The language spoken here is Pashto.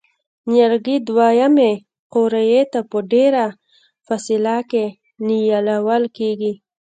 نیالګي دوه یمې قوریې ته په ډېره فاصله کې نیالول کېږي.